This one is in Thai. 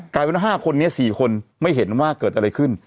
กลายเป็น๕คนนี้๔คนไม่เห็นว่าเกิดอะไรขึ้น